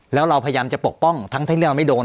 แล้วเราพยายามจะปกป้องทั้งที่เราไม่โดน